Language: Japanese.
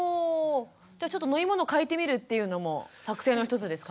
じゃあちょっと飲み物をかえてみるっていうのも作戦の一つですかね？